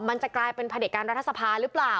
มันจะกลายเป็นผลิตการรัฐสภาหรือเปล่า